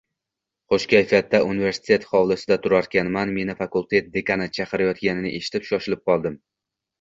Xushkayfiyatda universitet hovlisida turarkanman meni fakultet dekani chaqirayotganini eshitib, shoshib qoldim